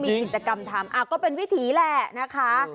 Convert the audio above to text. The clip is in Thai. มีกิจกรรมทำก็เป็นวิถีแหละนะคะ